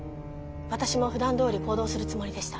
私もふだんどおり行動するつもりでした。